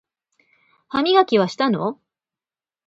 歯磨きはしたの？